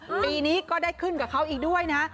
ปีนี้ก็ได้ขึ้นกับเขาอีกด้วยนะ